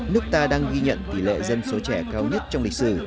nước ta đang ghi nhận tỷ lệ dân số trẻ cao nhất trong lịch sử